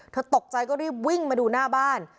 ตกใจก็รีบวิ่งมาดูหน้าบ้าน